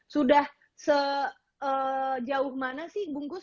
sudah sejauh mana sih bungkus